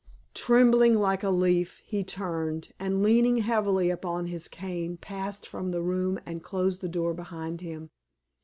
Trembling like a leaf, he turned, and leaning heavily upon his cane, passed from the room and closed the door behind him.